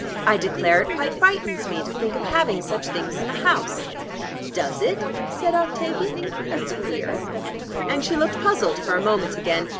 I declare, it quite frightens me to think of having such things in the house." "Does it?" said Octavia. "That's queer." And she looked puzzled for a moment again.